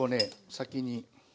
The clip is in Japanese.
先に。